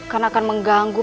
karena akan mengganggu